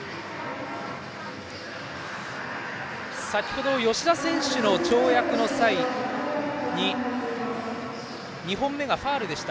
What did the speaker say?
先程、吉田選手の跳躍の際に２本目がファウルでした。